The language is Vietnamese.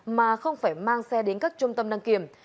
mà không phải mang xe đến các trung tâm đăng kiểm